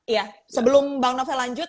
ya sebelum mbak novel lanjut